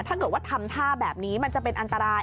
ถ้าเกิดว่าทำท่าแบบนี้มันจะเป็นอันตราย